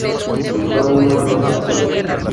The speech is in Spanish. Y fue una alternativa".